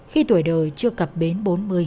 khi tuổi đời chưa cập đến bốn mươi